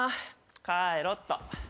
帰ろうっと。